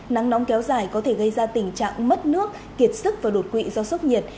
nắng nóng kéo dài có thể gây ra tình trạng mất nước kiệt sức và đột quỵ do sốc nhiệt